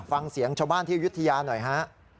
ฟังเสียงชาวบ้านที่อายุทยาหน่อยฮะ